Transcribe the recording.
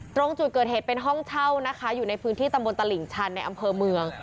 ตรงจุดเกิดเหตุเป็นห้องเช่านะคะอยู่ในพื้นที่ตำบลตลิ่งชันในอำเภอเมือง